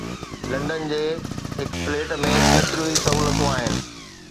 London جي هڪ flat ۾ ڪيتريون ئي سهولتون آهن.